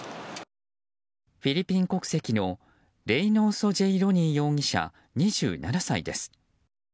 フィリピン国籍のレイノーソ・ジェイ・ロニー容疑者、２７歳です。